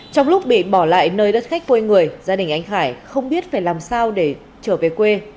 trong lúc bị bỏ lại nơi đất khách quê người gia đình anh khải không biết phải làm sao để trở về quê